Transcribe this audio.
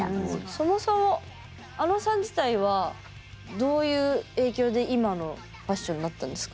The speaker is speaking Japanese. そもそもあのさん自体はどういう影響で今のファッションになったんですか？